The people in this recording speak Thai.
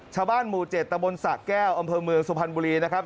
ชาวบ้านหมู่๗ตะบนศักดิ์แก้วอำเภอเมืองสวพันธ์บุรีนะครับ